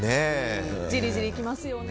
じりじりきますよね。